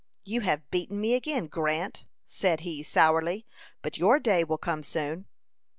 "You have beaten me again, Grant," said he, sourly, "but your day will come soon."